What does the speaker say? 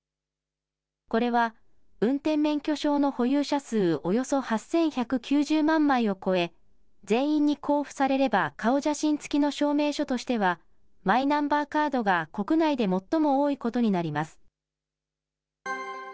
これは運転免許証の保有者数、およそ８１９０万枚を超え、全員に交付されれば顔写真付きの証明書としてはマイナンバーカードが国内で最も多いことになります。